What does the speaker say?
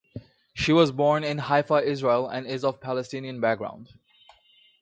She was born in Haifa, Israel and is of Palestinian background.